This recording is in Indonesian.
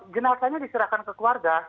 genasanya diserahkan ke keluarga